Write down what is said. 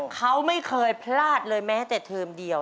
เขาไม่เคยพลาดเลยแม้แต่เทอมเดียว